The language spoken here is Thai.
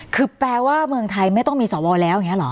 คือแปลว่าเมืองไทยไม่ต้องมีสวแล้วอย่างนี้เหรอ